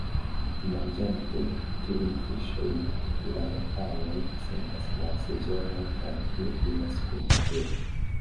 Manĝante tiujn fiŝojn, la japanoj sentas la sezonojn kaj tiel vivas kun naturo.